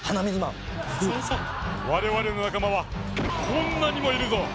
我々の仲間はこんなにもいるぞ！